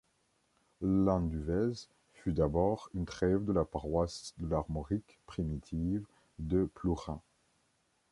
Landunvez fut d'abord une trève de la paroisse de l'Armorique primitive de Plourin.